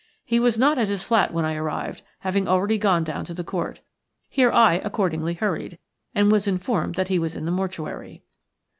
He was not at his flat when I arrived, having already gone down to the court. Here I accordingly hurried, and was informed that he was in the mortuary.